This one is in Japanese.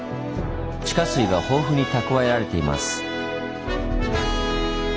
地下水が豊富に蓄えられています。